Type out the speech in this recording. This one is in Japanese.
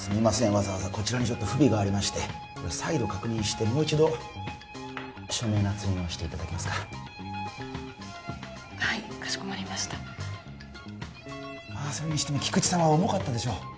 わざわざこちらに不備がありまして再度確認してもう一度署名なつ印をしていただけますかはいかしこまりましたそれにしても菊池さんは重かったでしょう？